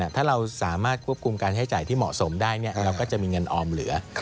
ถ้าเราสามารถควบคุมการใช้จ่ายที่เหมาะสมได้เราก็จะมีเงินออมเหลือ